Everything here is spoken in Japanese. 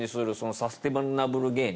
サスティナブル芸人。